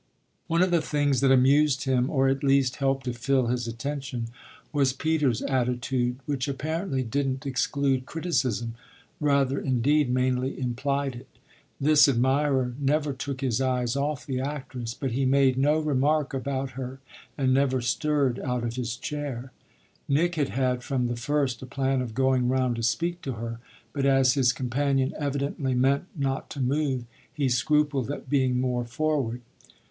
One of the things that amused him or at least helped to fill his attention was Peter's attitude, which apparently didn't exclude criticism rather indeed mainly implied it. This admirer never took his eyes off the actress, but he made no remark about her and never stirred out of his chair. Nick had had from the first a plan of going round to speak to her, but as his companion evidently meant not to move he scrupled at being more forward.